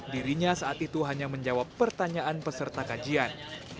dirinya saat itu hanya menjawab pertanyaan peserta kajian